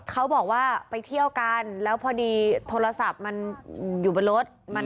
เขาบอกว่าไปเที่ยวกันแล้วพอดีโทรศัพท์มันอยู่บนรถ